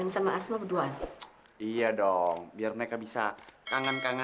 sampai jumpa di video selanjutnya